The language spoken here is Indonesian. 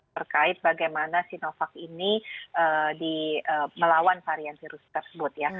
terkait bagaimana sinovac ini melawan varian virus tersebut ya